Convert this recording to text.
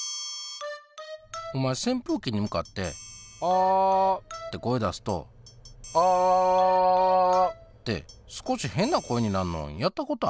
お前せんぷうきに向かって「あ」って声出すと「あぁあぁ」って少し変な声になるのやったことある？